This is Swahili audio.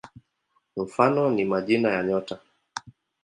Mfano ni majina ya nyota.